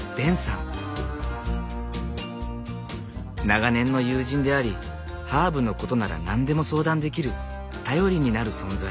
長年の友人でありハーブのことなら何でも相談できる頼りになる存在。